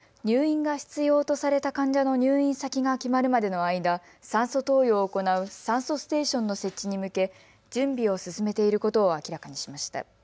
こうした状況に対応するため県は入院が必要とされた患者の入院先が決まるまでの間、酸素投与を行う酸素ステーションの設置に向け準備を進めていることを明らかにしました。